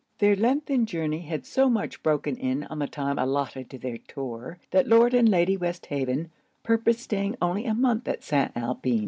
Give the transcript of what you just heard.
Their lengthened journey had so much broken in on the time allotted to their tour, that Lord and Lady Westhaven purposed staying only a month at St. Alpin.